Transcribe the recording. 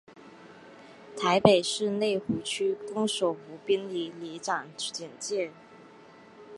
台北市内湖区公所湖滨里里长简介